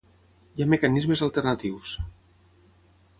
Hi ha mecanismes alternatius.